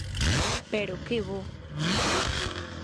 Pero que bo.